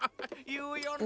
言うよね！